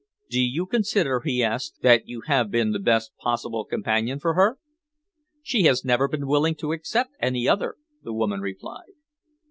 "Do you consider," he asked, "that you have been the best possible companion for her?" "She has never been willing to accept any other," the woman replied.